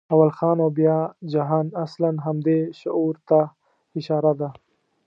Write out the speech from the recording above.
«اول ځان او بیا جهان» اصلاً همدې شعور ته اشاره ده.